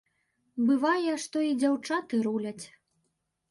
Бывае, што і дзяўчаты руляць.